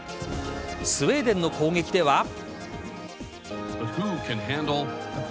スウェーデンの攻撃では。